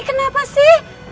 ini kenapa sih